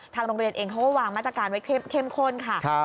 โรงเรียนเองเขาก็วางมาตรการไว้เข้มข้นค่ะ